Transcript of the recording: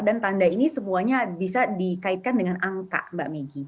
dan tanda ini semuanya bisa dikaitkan dengan angka mbak meggy